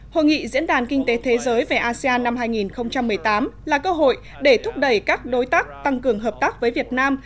hội nghị diễn đàn kinh tế thế giới về asean năm hai nghìn một mươi tám là cơ hội để thúc đẩy các đối tác tăng cường hợp tác với việt nam